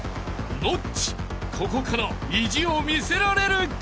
［ノッチここから意地を見せられるか？］